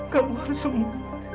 kamu harus semua